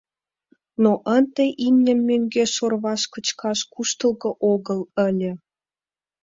Но ынде имньым мӧҥгеш орваш кычкаш куштылго огыл ыле.